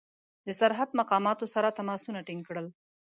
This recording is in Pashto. د سرحد مقاماتو سره تماسونه ټینګ کړل.